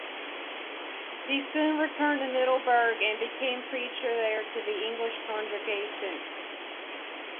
He soon returned to Middelburg, and became preacher there to the English congregation.